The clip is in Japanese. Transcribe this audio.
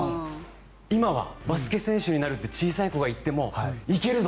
今はバスケ選手になるって小さい子が言ってもいけるぞ！